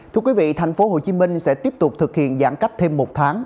thưa quý vị thành phố hồ chí minh sẽ tiếp tục thực hiện giãn cách thêm một tháng